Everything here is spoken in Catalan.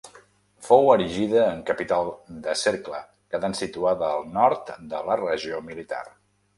Fou erigida en capital de cercle, quedant situada al nord de la regió militar.